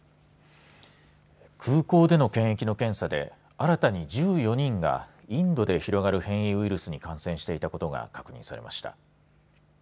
空港での検疫の検査で新たに１４人がインドで広がる変異ウイルスに感染していたことが確認されました。